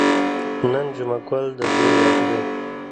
نن د جمعه ګل د ځوی واده دی.